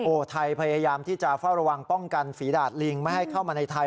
ไทยพยายามที่จะเฝ้าระวังป้องกันฝีดาดลิงไม่ให้เข้ามาในไทย